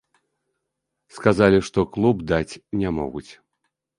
Сказалі, што клуб даць не могуць.